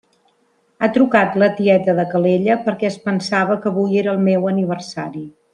Ha trucat la tieta de Calella perquè es pensava que avui era el meu aniversari.